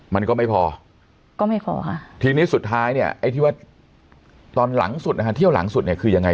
มันก็ไม่พอก็ไม่พอค่ะทีนี้สุดท้ายเนี่ยไอ้ที่ว่าตอนหลังสุดนะฮะเที่ยวหลังสุดเนี่ยคือยังไง